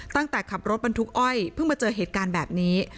ขับรถบรรทุกอ้อยเพิ่งมาเจอเหตุการณ์แบบนี้